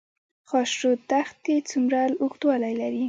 خاشرود دښتې څومره اوږدوالی لري؟